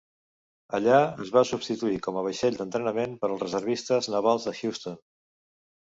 Allà, es va substituir com a vaixell d'entrenament per als reservistes navals de Houston.